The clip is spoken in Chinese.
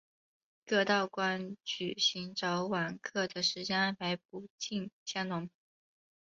各道观举行早晚课的时间安排不尽相同。